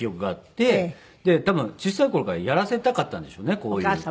で多分小さい頃からやらせたかったんでしょうねこういう。